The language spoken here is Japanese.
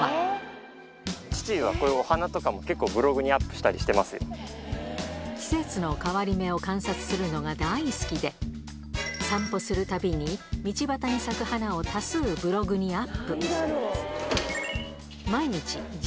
息子のせいで季節の変わり目を観察するのが大好きで散歩するたびに道端に咲く花を多数ブログにアップ